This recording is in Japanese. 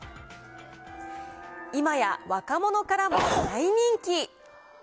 今や若者からも大人気。